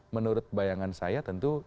menurut bayangan saya tentu